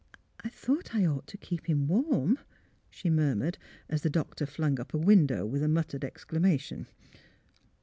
" I thought I ought to keep him warm," she murmured, as the doctor flung up a window, with a muttered exclamation.